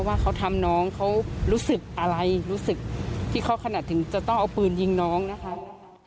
ว่าเขาทำน้องเขารู้สึกอะไรรู้สึกที่เขาขนาดถึงจะต้องเอาปืนยิงน้องนะครับ